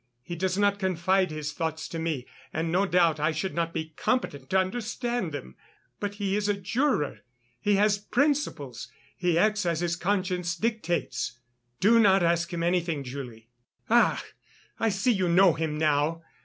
He does not confide his thoughts to me and, no doubt, I should not be competent to understand them ... but he is a juror; he has principles; he acts as his conscience dictates. Do not ask him anything, Julie." "Ah! I see you know him now.